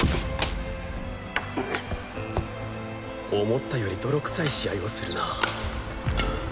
思ったより泥臭い試合をするな。